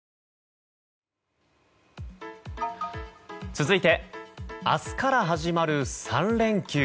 続いて明日から始まる３連休。